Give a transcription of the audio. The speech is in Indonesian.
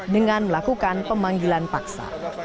dengan melakukan pemanggilan paksa